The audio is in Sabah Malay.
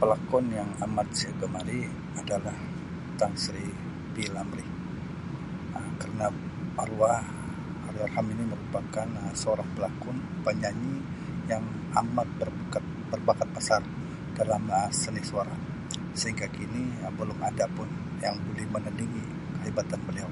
Pelakon yang amat saya gemari adalah Tan Sri P Lamree Um kerna arwah Allahyarham ini merupakan seorang pelakon penyanyi yang amat berbakat pasal seni suara sehingga kini belum ada pun yang boleh menandigi kehebatan beliau.